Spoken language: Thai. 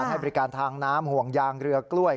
ให้บริการทางน้ำห่วงยางเรือกล้วย